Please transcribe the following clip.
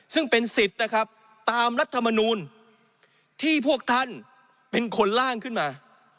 ซึ่งเป็นสิทธิ์นะครับตามรัฐมนูลที่พวกท่านเป็นคนล่างขึ้นมา